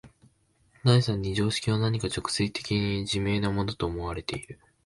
第三に常識は何か直接的に自明なものと思われている。